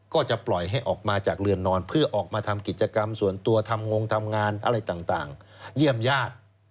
ก็จะปล่อยให้ออกมาจากเรือนนอนเพื่อออกมาทำกิจกรรมส่วนตัวทำงงทำงานอะไรต่างเยี่ยมญาติ